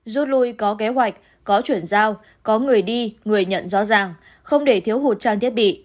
rút lui có kế hoạch có chuyển giao có người đi người nhận rõ ràng không để thiếu hụt trang thiết bị